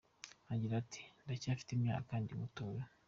Agira ati “Ndacyafite imyaka ndi mutoya.